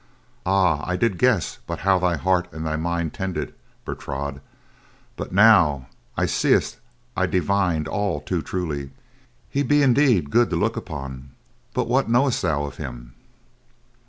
"Ah, I did but guess how thy heart and thy mind tended, Bertrade; but now I see that I divined all too truly. He be indeed good to look upon, but what knowest thou of him?"